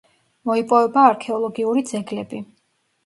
მოიპოვება არქეოლოგიური ძეგლები.